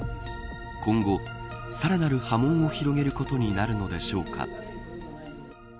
今後、さらなる波紋を広げることになるのでしょうか。